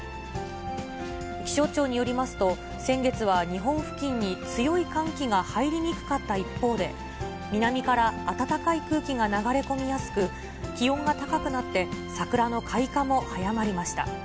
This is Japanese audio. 気象庁によりますと、先月は日本付近に強い寒気が入りにくかった一方で、南から暖かい空気が流れ込みやすく、気温が高くなって、桜の開花も早まりました。